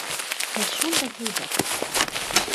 Һеҙ шундай һәйбәт...